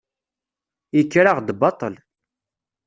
Yekker-aɣ-d baṭel.